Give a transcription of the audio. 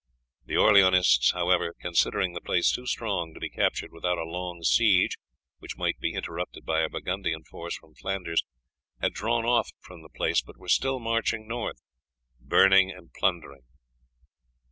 The Orleanists, however, considering the place too strong to be captured without a long siege, which might be interrupted by a Burgundian force from Flanders, had drawn off from the place, but were still marching north burning and plundering.